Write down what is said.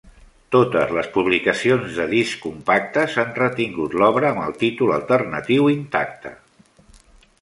Totes les publicacions de discs compactes han retingut l'obra amb el títol alternatiu intacte.